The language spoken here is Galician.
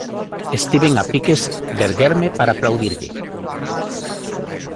Estiven a piques de erguerme para aplaudirlle.